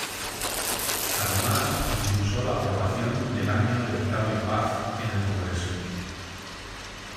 Además impulsó la aprobación del año de Octavio Paz en el Congreso.